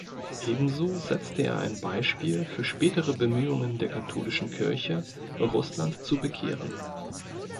Ebenso setzte er ein Beispiel für spätere Bemühungen der Katholischen Kirche, Russland zu bekehren.